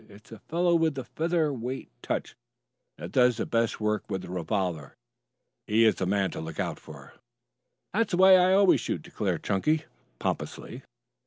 It's the fellow with the feather weight touch that does the best work with the revolver. He is the man to look out for." "That's the way I always shoot," declared Chunky pompously.